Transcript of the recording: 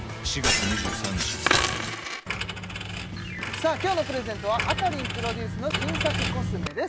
さあ今日のプレゼントはアカリンプロデュースの新作コスメです